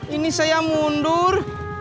ini saya mundur